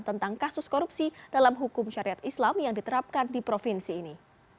tentang kasus korupsi dalam hukum syariat islam yang diterapkan di provinsi ini